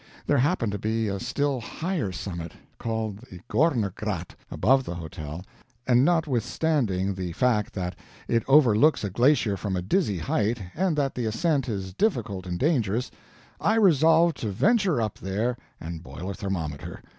There happened to be a still higher summit (called the Gorner Grat), above the hotel, and notwithstanding the fact that it overlooks a glacier from a dizzy height, and that the ascent is difficult and dangerous, I resolved to venture up there and boil a thermometer.